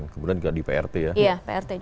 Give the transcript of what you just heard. kemudian juga di prt ya iya prt juga